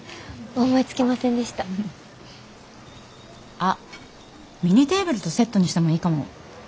あっミニテーブルとセットにしてもいいかも。